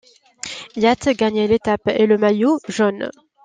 Yates gagne l'étape et le maillot jaune.